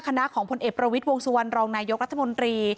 ของพลเอกประวิทย์วงสุวรรณรองนายกรัฐมนตรี